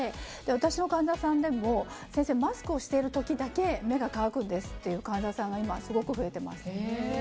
私の患者さんでも先生、マスクしている時だけ目が乾くんですという患者さんが今、すごく増えています。